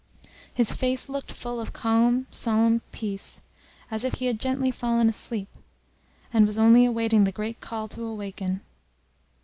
His face looked full of calm, solemn peace, as if he had gently fallen asleep, and was only awaiting the great call to awaken.